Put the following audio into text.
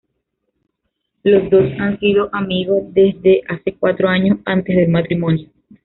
Los dos han sido amigos desde hace cuatro años antes del matrimonio.